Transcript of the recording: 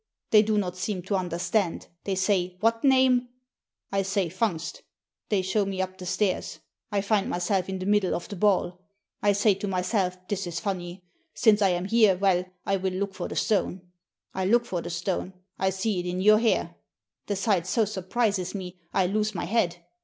They do not seem to understand. They say, 'What name?' I say, * Fungst' They show me up the stairs. I find myself in the middle of the ball. I say to myself, 'This is funny. Since I am here, well, I will look for the stone.' I look for the stone. I see it in your hair. The sight so surprises me, I lose my head.